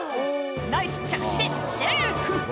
ナイス着地でセーフ」